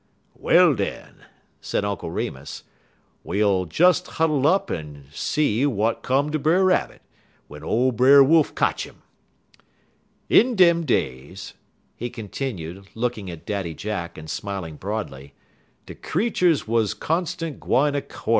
"Well, den," said Uncle Remus, "we ull des huddle up yer en see w'at 'come er Brer Rabbit, w'en ole Brer Wolf kotch 'im. In dem days," he continued, looking at Daddy Jack and smiling broadly, "de creeturs wuz constant gwine a courtin'.